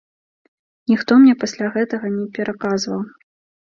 Ніхто мне пасля гэтага не пераказваў.